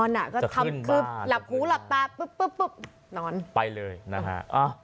หลับหูหลับตาไปเลยนะ